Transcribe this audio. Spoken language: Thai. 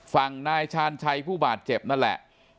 ฝั่งนายชาญชัยผู้บาดเจ็บนั่นแหละ